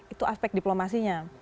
itu aspek diplomasinya